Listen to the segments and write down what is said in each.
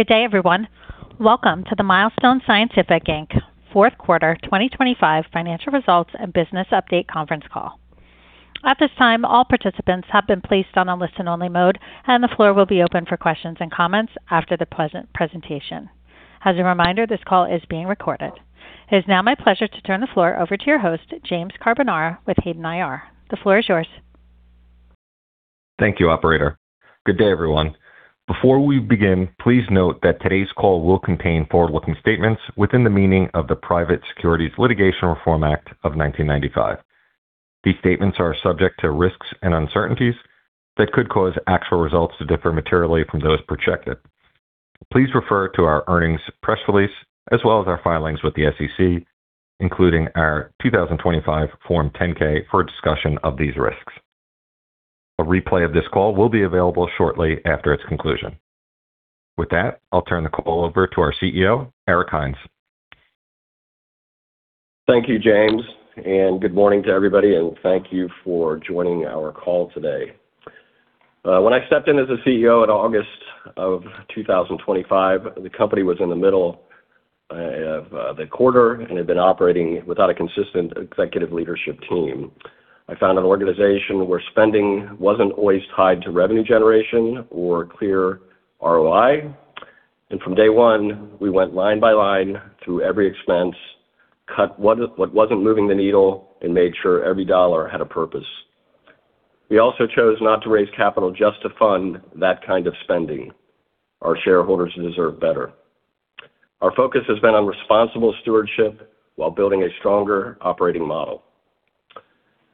Good day, everyone. Welcome to the Milestone Scientific Inc. fourth quarter 2025 financial results and business update conference call. At this time, all participants have been placed on a listen-only mode, and the floor will be open for questions and comments after the presentation. As a reminder, this call is being recorded. It is now my pleasure to turn the floor over to your host, James Carbonara, with Hayden IR. The floor is yours. Thank you, operator. Good day, everyone. Before we begin, please note that today's call will contain forward-looking statements within the meaning of the Private Securities Litigation Reform Act of 1995. These statements are subject to risks and uncertainties that could cause actual results to differ materially from those projected. Please refer to our earnings press release as well as our filings with the SEC, including our 2025 Form 10-K, for a discussion of these risks. A replay of this call will be available shortly after its conclusion. With that, I'll turn the call over to our CEO, Eric Hines. Thank you, James, and good morning to everybody, and thank you for joining our call today. When I stepped in as a CEO in August of 2025, the company was in the middle of the quarter and had been operating without a consistent executive leadership team. I found an organization where spending wasn't always tied to revenue generation or clear ROI, and from day one, we went line by line through every expense, cut what wasn't moving the needle, and made sure every dollar had a purpose. We also chose not to raise capital just to fund that kind of spending. Our shareholders deserve better. Our focus has been on responsible stewardship while building a stronger operating model.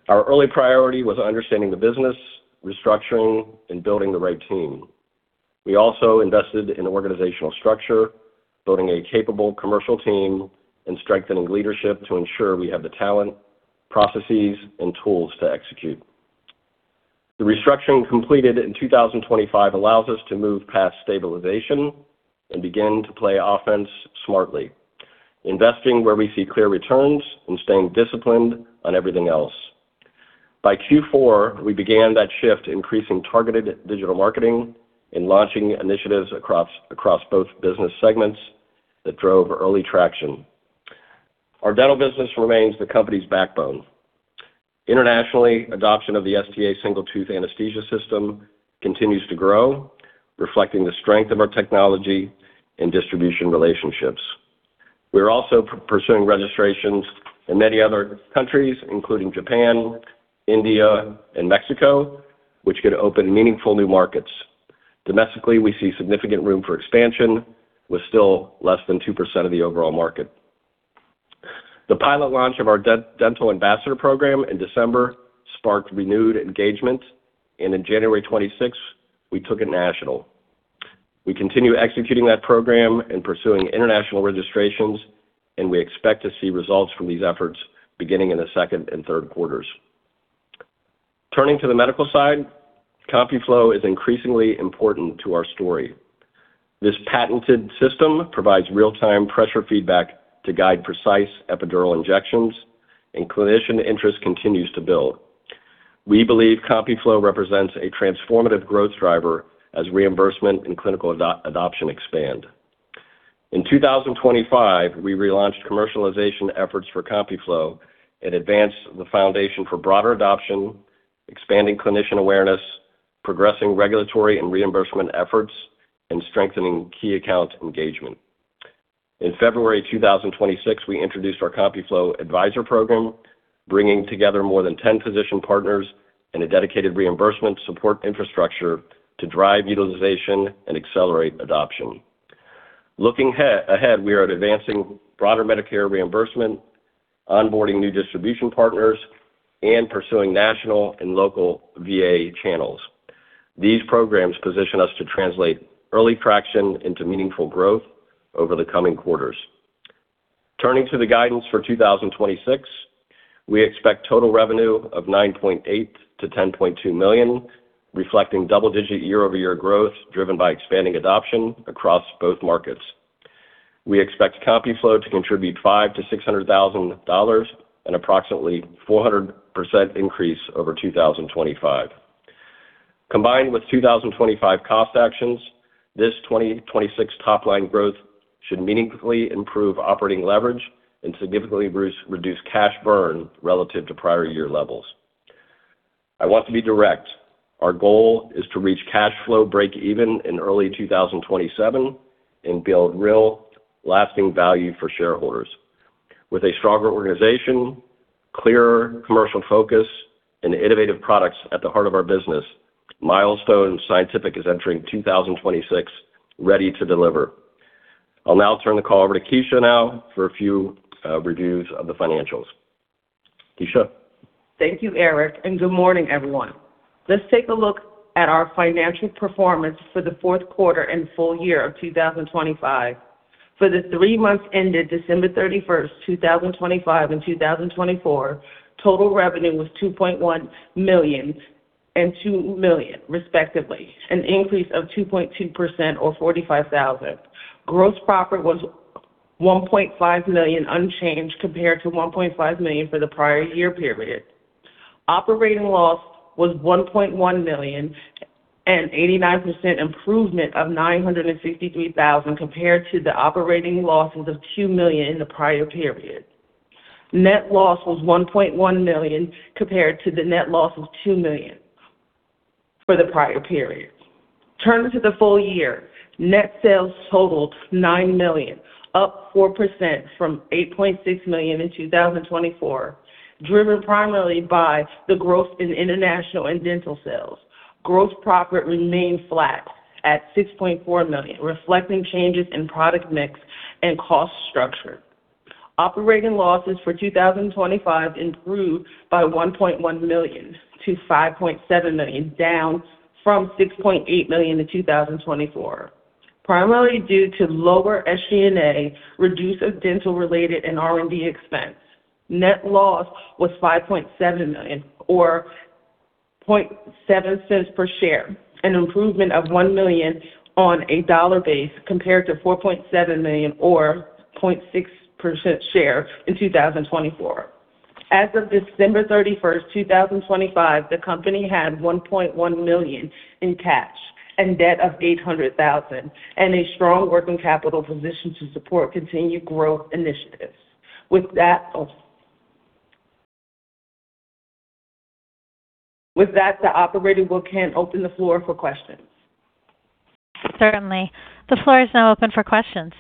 Our early priority was understanding the business, restructuring, and building the right team. We also invested in organizational structure, building a capable commercial team, and strengthening leadership to ensure we have the talent, processes, and tools to execute. The restructuring completed in 2025 allows us to move past stabilization and begin to play offense smartly, investing where we see clear returns and staying disciplined on everything else. By Q4, we began that shift, increasing targeted digital marketing and launching initiatives across both business segments that drove early traction. Our dental business remains the company's backbone. Internationally, adoption of the STA Single Tooth Anesthesia System continues to grow, reflecting the strength of our technology and distribution relationships. We are also pursuing registrations in many other countries, including Japan, India, and Mexico, which could open meaningful new markets. Domestically, we see significant room for expansion with still less than 2% of the overall market. The pilot launch of our Dental Ambassador Program in December sparked renewed engagement, and in January 26th, we took it national. We continue executing that program and pursuing international registrations, and we expect to see results from these efforts beginning in the second and third quarters. Turning to the medical side, CompuFlo is increasingly important to our story. This patented system provides real-time pressure feedback to guide precise epidural injections, and clinician interest continues to build. We believe CompuFlo represents a transformative growth driver as reimbursement and clinical adoption expand. In 2025, we relaunched commercialization efforts for CompuFlo and advanced the foundation for broader adoption, expanding clinician awareness, progressing regulatory and reimbursement efforts, and strengthening key account engagement. In February 2026, we introduced our CompuFlo Advisor Program, bringing together more than 10 physician partners and a dedicated reimbursement support infrastructure to drive utilization and accelerate adoption. Looking ahead, we are advancing broader Medicare reimbursement, onboarding new distribution partners, and pursuing national and local VA channels. These programs position us to translate early traction into meaningful growth over the coming quarters. Turning to the guidance for 2026, we expect total revenue of $9.8 million-$10.2 million, reflecting double-digit year-over-year growth driven by expanding adoption across both markets. We expect CompuFlo to contribute $500,000-$600,000, an approximately 400% increase over 2025. Combined with 2025 cost actions, this 2026 top-line growth should meaningfully improve operating leverage and significantly reduce cash burn relative to prior year levels. I want to be direct. Our goal is to reach cash flow break even in early 2027 and build real lasting value for shareholders. With a stronger organization, clearer commercial focus, and innovative products at the heart of our business, Milestone Scientific is entering 2026 ready to deliver. I'll now turn the call over to Keisha for a few reviews of the financials. Keisha? Thank you, Eric, and good morning, everyone. Let's take a look at our financial performance for the fourth quarter and full year of 2025. For the three months ended December 31st, 2025 and 2024, total revenue was $2.1 million and $2 million, respectively, an increase of 2.2% or $45,000. Gross profit was $1.5 million, unchanged compared to $1.5 million for the prior year period. Operating loss was $1.1 million, an 89% improvement of $963,000 compared to the operating losses of $2 million in the prior period. Net loss was $1.1 million compared to the net loss of $2 million for the prior period. Turning to the full year, net sales totaled $9 million, up 4% from $8.6 million in 2024, driven primarily by the growth in international and dental sales. Gross profit remained flat at $6.4 million, reflecting changes in product mix and cost structure. Operating losses for 2025 improved by $1.1 million to $5.7 million, down from $6.8 million in 2024, primarily due to lower SG&A, reduction of dental-related and R&D expenses. Net loss was $5.7 million or $0.07 per share, an improvement of $1 million on a dollar basis compared to $4.7 million or $0.06 per share in 2024. As of December 31st, 2025, the company had $1.1 million in cash and debt of $800,000 and a strong working capital position to support continued growth initiatives. With that, the operator can open the floor for questions. Certainly. The floor is now open for questions.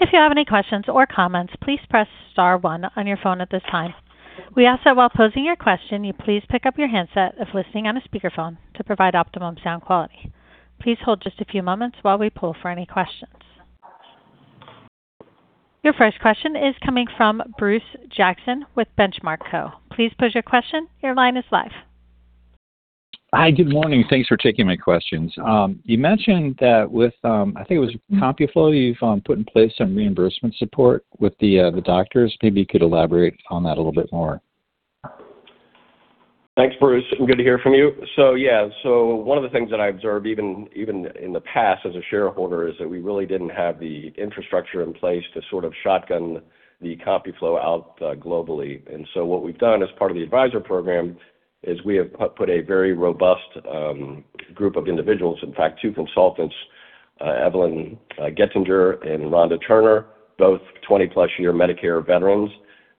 If you have any questions or comments, please press star one on your phone at this time. We ask that while posing your question, you please pick up your handset if listening on a speakerphone to provide optimum sound quality. Please hold just a few moments while we poll for any questions. Your first question is coming from Bruce Jackson with Benchmark Co. Please pose your question. Your line is live. Hi, Good morning. Thanks for taking my questions. You mentioned that with, I think it was CompuFlo, you've put in place some reimbursement support with the doctors. Maybe you could elaborate on that a little bit more? Thanks, Bruce. Good to hear from you. Yeah, one of the things that I observed even in the past as a shareholder is that we really didn't have the infrastructure in place to sort of shotgun the CompuFlo out globally. What we've done as part of the Advisor Program is we have put a very robust group of individuals. In fact, two consultants, Evelyn Gittinger and Rhonda Turner, both 20+ years Medicare veterans,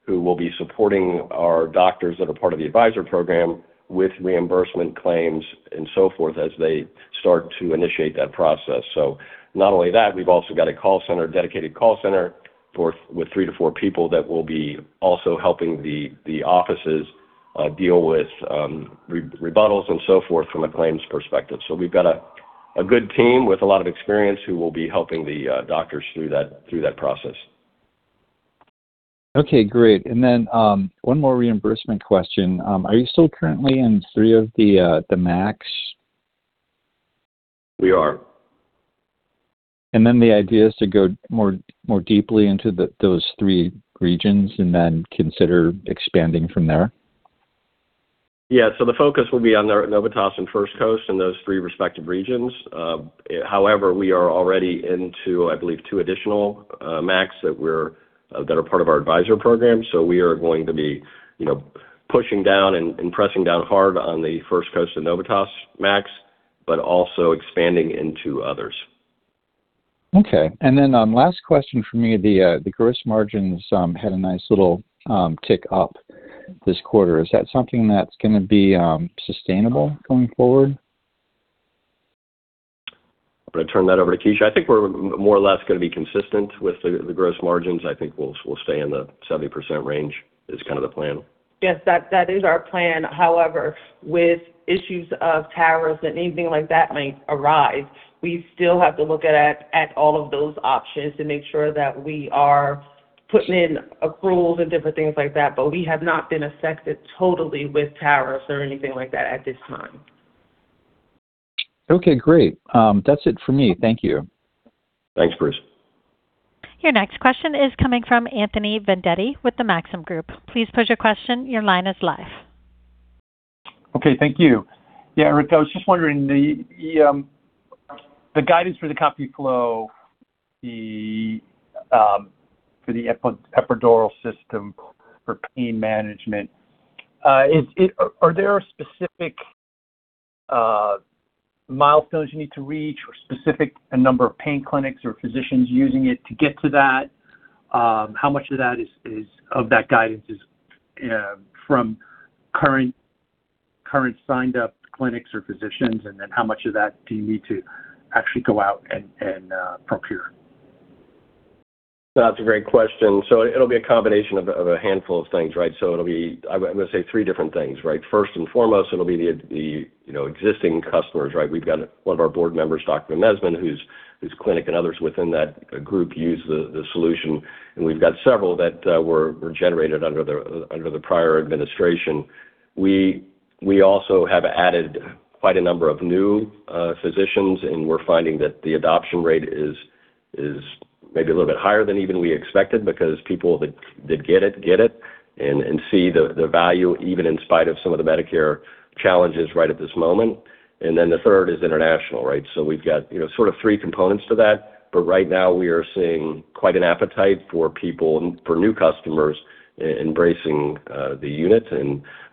who will be supporting our doctors that are part of the Advisor Program with reimbursement claims and so forth as they start to initiate that process. Not only that, we've also got a dedicated call center with 3-4 people that will be also helping the offices deal with rebuttals and so forth from a claims perspective. We've got a good team with a lot of experience who will be helping the doctors through that process. Okay, great. Then, one more reimbursement question. Are you still currently in three of the MACs? We are. The idea is to go more deeply into those three regions and then consider expanding from there? The focus will be on the Novitas and First Coast in those three respective regions. However, we are already into, I believe, two additional MACs that are part of our advisor program. We are going to be pushing down and pressing down hard on the First Coast and Novitas MACs, but also expanding into others. Okay. Last question for me. The gross margins had a nice little tick up this quarter. Is that something that's gonna be sustainable going forward? I'm gonna turn that over to Keisha. I think we're more or less gonna be consistent with the gross margins. I think we'll stay in the 70% range is kind of the plan. Yes, that is our plan. However, with issues of tariffs and anything like that might arise, we still have to look at all of those options to make sure that we are putting in approvals and different things like that. We have not been affected totally with tariffs or anything like that at this time. Okay, great. That's it for me. Thank you. Thanks, Bruce. Your next question is coming from Anthony Vendetti with the Maxim Group. Please pose your question. Your line is live. Okay, thank you. Yeah, Eric, I was just wondering the guidance for the CompuFlo, for the epidural system for pain management, is it? Are there specific milestones you need to reach or specific number of pain clinics or physicians using it to get to that? How much of that guidance is from current signed up clinics or physicians? How much of that do you need to actually go out and procure? That's a great question. It'll be a combination of a handful of things, right? It'll be. I'm gonna say three different things, right? First and foremost, it'll be the, you know, existing customers, right? We've got one of our Board members, Didier Demesmin, whose clinic and others within that group use the solution. We've got several that were generated under the prior administration. We also have added quite a number of new physicians, and we're finding that the adoption rate is maybe a little bit higher than even we expected because people that get it, get it and see the value even in spite of some of the Medicare challenges right at this moment. Then the third is international, right? We've got, you know, sort of three components to that. Right now we are seeing quite an appetite for people and for new customers embracing the unit.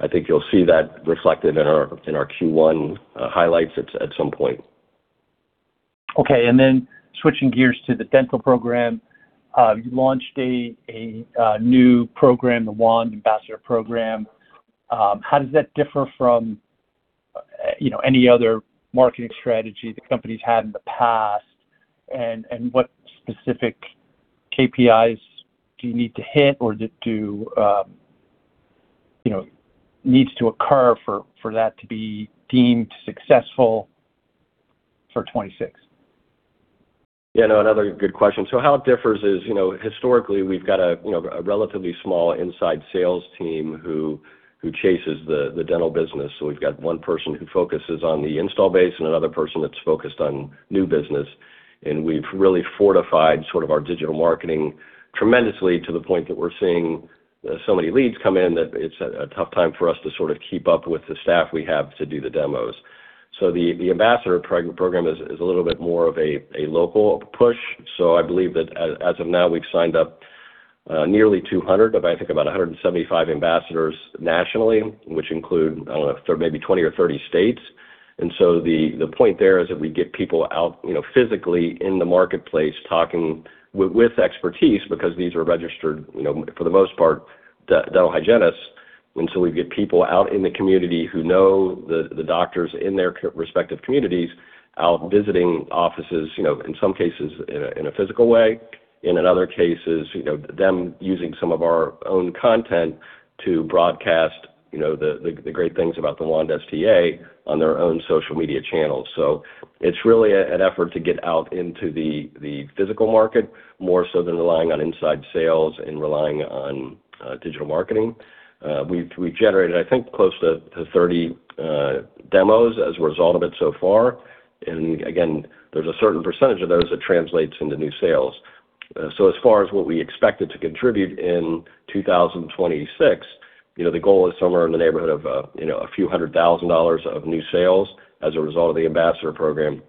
I think you'll see that reflected in our Q1 highlights at some point. Okay, switching gears to the dental program. You launched a new program, the Wand Ambassador Program. How does that differ from, you know, any other marketing strategy the company's had in the past? What specific KPIs do you need to hit or do, you know, needs to occur for that to be deemed successful for 2026? Yeah, no, another good question. How it differs is, you know, historically we've got a relatively small inside sales team who chases the dental business. We've got one person who focuses on the install base and another person that's focused on new business. We've really fortified sort of our digital marketing tremendously to the point that we're seeing so many leads come in that it's a tough time for us to sort of keep up with the staff we have to do the demos. The ambassador program is a little bit more of a local push. I believe that as of now, we've signed up nearly 200 of, I think, about 175 ambassadors nationally, which include, I don't know, maybe 20 or 30 states. The point there is that we get people out, you know, physically in the marketplace talking with expertise because these are registered, you know, for the most part, dental hygienists. We get people out in the community who know the doctors in their respective communities out visiting offices, you know, in some cases in a physical way, and in other cases, you know, them using some of our own content to broadcast the great things about The Wand STA on their own social media channels. It's really an effort to get out into the physical market more so than relying on inside sales and relying on digital marketing. We've generated, I think, close to 30 demos as a result of it so far. Again, there's a certain percentage of those that translates into new sales. As far as what we expected to contribute in 2026, you know, the goal is somewhere in the neighborhood of, you know, a few hundred thousand dollars of new sales as a result of the ambassador program.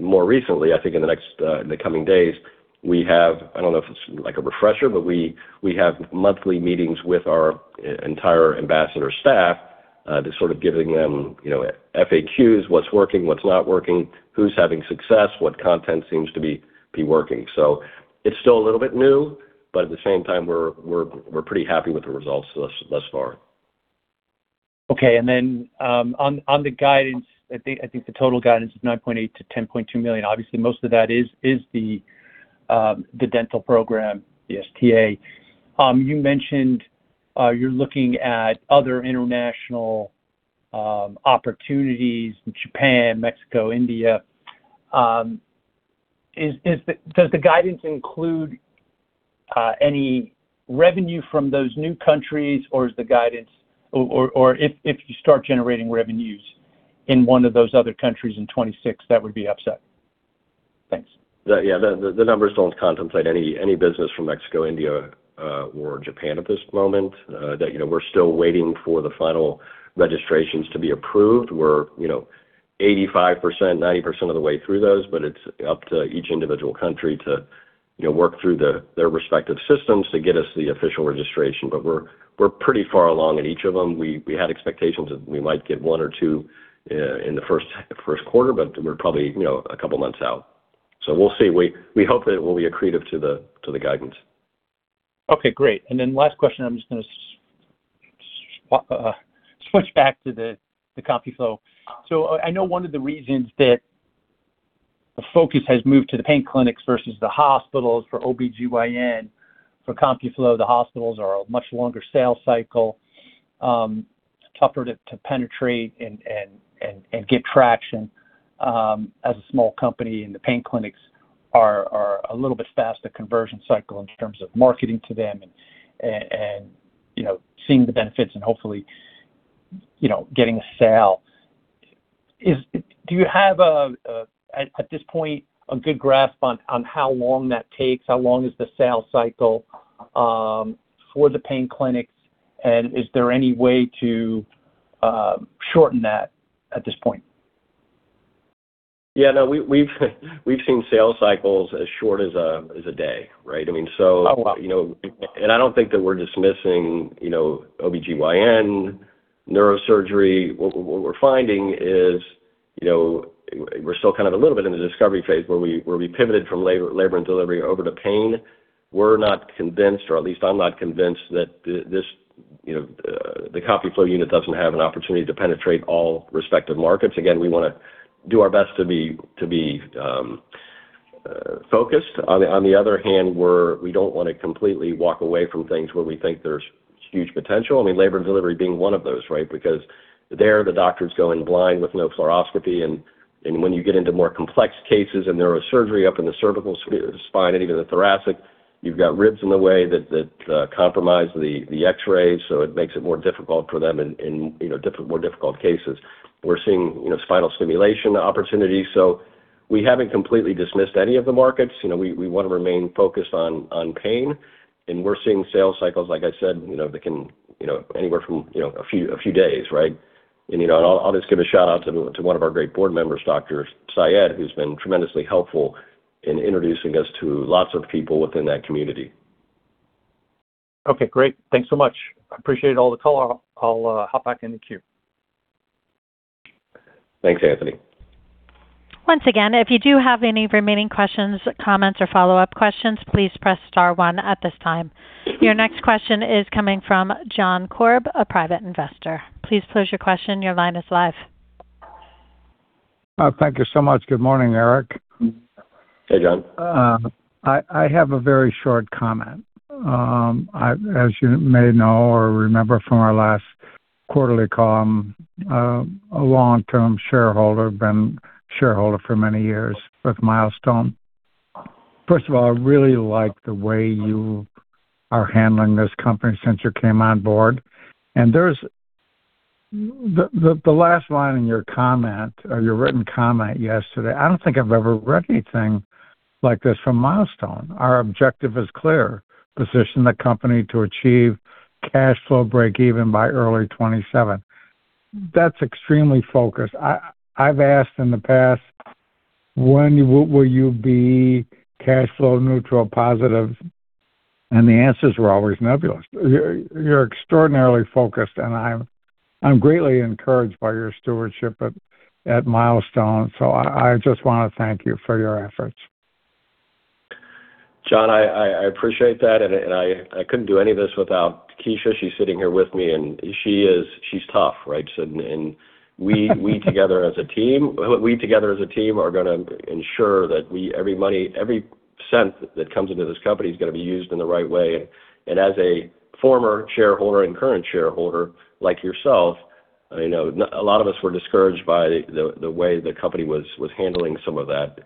More recently, I think in the next, in the coming days, we have I don't know if it's like a refresher, but we have monthly meetings with our entire ambassador staff, to sort of giving them, you know, FAQs, what's working, what's not working, who's having success, what content seems to be working. It's still a little bit new, but at the same time we're pretty happy with the results thus far. Okay. On the guidance, I think the total guidance is $9.8 million-$10.2 million. Obviously, most of that is the dental program, the STA. You mentioned you're looking at other international opportunities in Japan, Mexico, India. Does the guidance include any revenue from those new countries, or is the guidance, or if you start generating revenues in one of those other countries in 2026, that would be upside. Thanks. The numbers don't contemplate any business from Mexico, India, or Japan at this moment. You know, we're still waiting for the final registrations to be approved. You know, we're 85%, 90% of the way through those, but it's up to each individual country to you know, work through their respective systems to get us the official registration. But we're pretty far along in each of them. We had expectations that we might get one or two in the first quarter, but we're probably you know, a couple of months out. We'll see. We hope that it will be accretive to the guidance. Okay, great. Last question, I'm just gonna switch back to the CompuFlo. I know one of the reasons that the focus has moved to the pain clinics versus the hospitals for OBGYN, for CompuFlo, the hospitals are a much longer sales cycle, tougher to penetrate and get traction, as a small company, and the pain clinics are a little bit faster conversion cycle in terms of marketing to them and you know seeing the benefits and hopefully you know getting a sale. Do you have at this point a good grasp on how long that takes? How long is the sale cycle for the pain clinics, and is there any way to shorten that at this point? Yeah. No, we've seen sales cycles as short as a day, right? I mean, so- Oh, wow. You know, I don't think that we're dismissing, you know, OBGYN, neurosurgery. What we're finding is, you know, we're still kind of a little bit in the discovery phase where we pivoted from labor and delivery over to pain. We're not convinced, or at least I'm not convinced that this, you know, the CompuFlo unit doesn't have an opportunity to penetrate all respective markets. Again, we wanna do our best to be focused. On the other hand, we don't wanna completely walk away from things where we think there's huge potential. I mean, labor and delivery being one of those, right? Because there the doctor's going blind with no fluoroscopy, and when you get into more complex cases and there is surgery up in the cervical spine and even the thoracic, you've got ribs in the way that compromise the X-rays, so it makes it more difficult for them in you know more difficult cases. We're seeing you know spinal stimulation opportunities. We haven't completely dismissed any of the markets. You know we wanna remain focused on pain, and we're seeing sales cycles, like I said, you know that can you know anywhere from you know a few days, right? You know I'll just give a shout-out to one of our great Board members, Dawood Sayed, who's been tremendously helpful in introducing us to lots of people within that community. Okay, great. Thanks so much. I appreciate all the call. I'll hop back in the queue. Thanks, Anthony. Once again, if you do have any remaining questions, comments or follow-up questions, please press star one at this time. Your next question is coming from John Korb, a private investor. Please pose your question. Your line is live. Thank you so much. Good morning, Eric. Hey, John. I have a very short comment. As you may know or remember from our last quarterly call, I've been a long-term shareholder for many years with Milestone. First of all, I really like the way you are handling this company since you came on board. There's the last line in your comment or your written comment yesterday. I don't think I've ever read anything like this from Milestone. "Our objective is clear, position the company to achieve cash flow breakeven by early 2027." That's extremely focused. I've asked in the past, when will you be cash flow neutral or positive? The answers were always nebulous. You're extraordinarily focused, and I'm greatly encouraged by your stewardship at Milestone. I just wanna thank you for your efforts. John, I appreciate that, and I couldn't do any of this without Keisha. She's sitting here with me, and she's tough, right? We together as a team are gonna ensure that every money, every cent that comes into this company is gonna be used in the right way. As a former shareholder and current shareholder like yourself, I know a lot of us were discouraged by the way the company was handling some of that.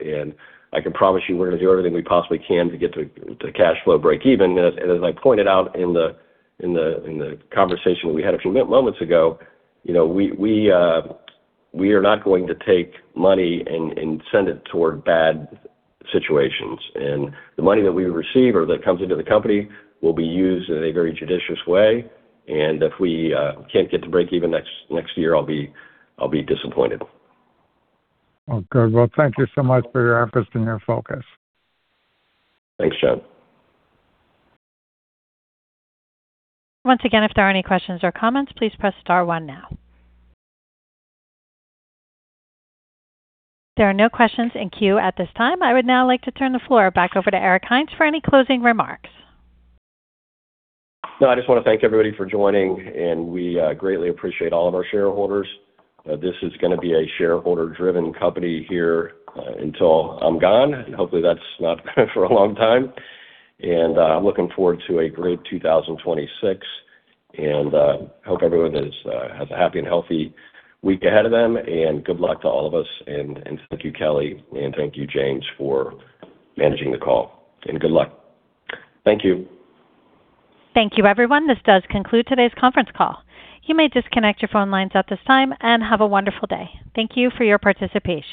I can promise you we're gonna do everything we possibly can to get to cash flow breakeven. As I pointed out in the conversation we had a few moments ago, you know, we are not going to take money and send it toward bad situations. The money that we receive or that comes into the company will be used in a very judicious way. If we can't get to breakeven next year, I'll be disappointed. Well, good. Well, thank you so much for your efforts and your focus. Thanks, John. Once again, if there are any questions or comments, please press star one now. There are no questions in queue at this time. I would now like to turn the floor back over to Eric Hines for any closing remarks. No, I just wanna thank everybody for joining, and we greatly appreciate all of our shareholders. This is gonna be a shareholder-driven company here until I'm gone. Hopefully, that's not for a long time. I'm looking forward to a great 2026. I hope everyone has a happy and healthy week ahead of them. Good luck to all of us. Thank you, Kelly, and thank you, James, for managing the call. Good luck. Thank you. Thank you, everyone. This does conclude today's conference call. You may disconnect your phone lines at this time and have a wonderful day. Thank you for your participation.